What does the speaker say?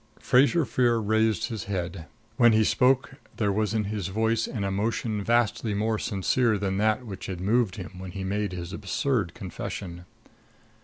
Fraser Freer raised his head. When he spoke there was in his voice an emotion vastly more sincere than that which had moved him when he made his absurd confession.